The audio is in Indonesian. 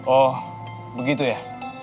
oh begitu ya